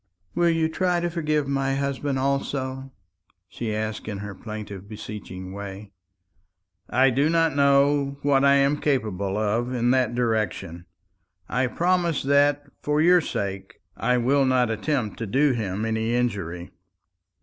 "Will you try to forgive my husband also?" she asked in her plaintive beseeching way. "I do not know what I am capable of in that direction. I promise that, for your sake, I will not attempt to do him any injury."